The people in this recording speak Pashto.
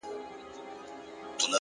خپل ارزښت په کړنو وښایئ